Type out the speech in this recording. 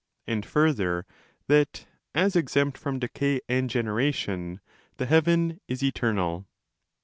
277° DE CAELO that, as exempt from decay and generation, the heaven is eternal.